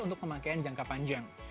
untuk pemakaian jangka panjang